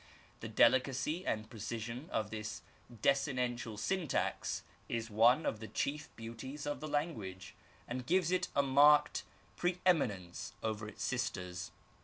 The delicacy and precision of this desinential syntax is one of the chief beauties of the language, and gives it a marked pre eminence over its sisters.